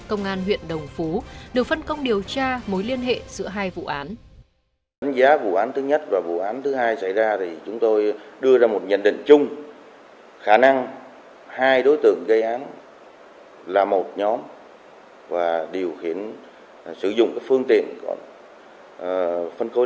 công an huyện đồng phú được phân công điều tra mối liên hệ giữa hai vụ án